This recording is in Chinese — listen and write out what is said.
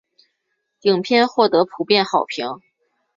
影片获得普遍好评。